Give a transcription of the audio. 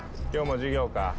今日も授業か？